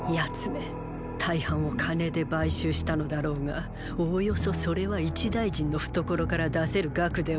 め大半を金で買収したのだろうがおおよそそれは一大臣の懐から出せる額ではない。